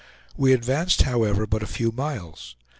We advanced, however, but a few miles.